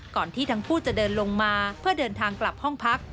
ที่ทั้งคู่จะเดินลงมาเพื่อเดินทางกลับห้องพัก